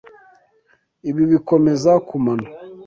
Ibi bikomeza kumano.